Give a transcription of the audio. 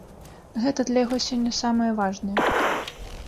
Гэта для яго сёння самае важнае.